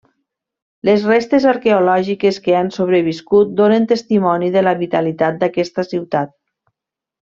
Les restes arqueològiques que han sobreviscut donen testimoni de la vitalitat d'aquesta ciutat.